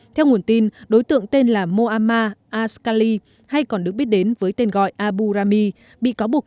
theo nguồn tin đối tượng tên là moama askali hay còn được biết đến với tên gọi abu rami